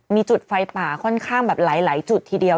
มีจุดไฟป่าค่อนข้างแบบหลายจุดทีเดียว